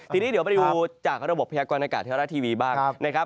ทีนี้เดี๋ยวไปดูจากระบบพยากรณากาศเทวรัฐทีวีบ้างนะครับ